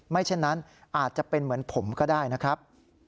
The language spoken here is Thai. เช่นนั้นอาจจะเป็นเหมือนผมก็ได้นะครับ